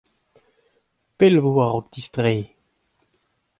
pell e vo a-raok distreiñ .